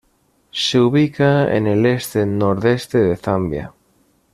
Se ubica en el este-nordeste de Zambia.